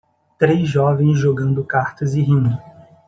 Três jovens jogando cartas e rindo.